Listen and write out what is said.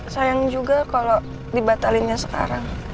sayang juga kalau dibatalinnya sekarang